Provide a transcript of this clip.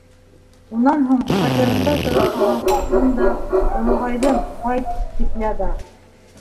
Унан һуң, фатирында тороп ҡалған ҡатын да, олоғайҙым, ҡайт, тип яҙа.